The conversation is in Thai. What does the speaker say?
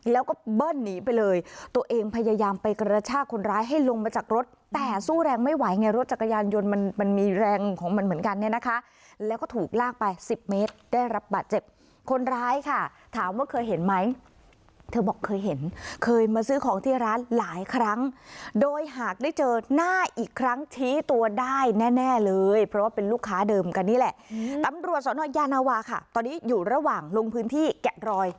แล้วก็เบิ้ลหนีไปเลยตัวเองพยายามไปกระชากคนร้ายให้ลงมาจากรถแต่สู้แรงไม่ไหวไงรถจักรยานยนต์มันมีแรงของมันเหมือนกันนี่นะคะแล้วก็ถูกลากไป๑๐เมตรได้รับบาดเจ็บคนร้ายค่ะถามว่าเคยเห็นไหมเธอบอกเคยเห็นเคยมาซื้อของที่ร้านหลายครั้งโดยหากได้เจอหน้าอีกครั้งทีตัวได้แน่เลยเพราะว่าเป็นลูกค้าเดิมกันนี่แ